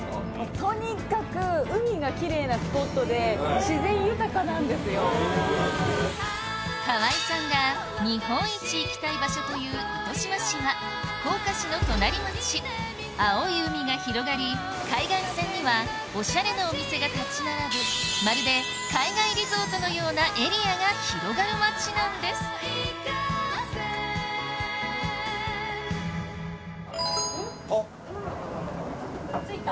とにかく河合さんが日本一行きたい場所という糸島市は福岡市の隣町青い海が広がり海岸線にはおしゃれなお店が立ち並ぶまるで海外リゾートのようなエリアが広がる町なんですあっ停まった。